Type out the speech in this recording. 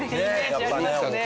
やっぱね